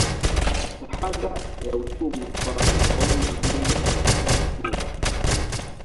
shahada ya uchumi kwa ufaulu mzuri katika chuo